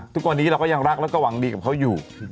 ทุกวันนี้เราก็ยังรักแล้วก็หวังดีกับเขาอยู่